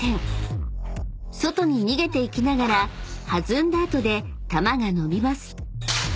［外に逃げていきながら弾んだ後で球が伸びます］